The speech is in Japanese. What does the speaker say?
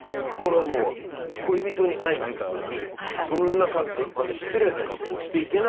これはもう恋人に会いに行くのにそんな失礼な格好をしていけないという。